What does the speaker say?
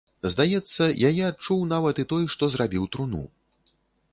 Здаецца, яе адчуў нават і той, што зрабіў труну.